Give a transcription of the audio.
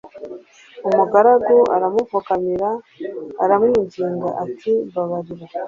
umugaragu aramupfukamira aramwinginga ati mbabarira